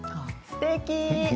すてき！